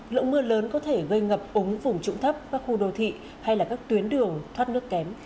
lượng mưa lớn có thể gây ngập ống vùng trụng thấp các khu đô thị hay là các tuyến đường thoát nước kém